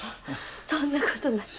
そんなことない。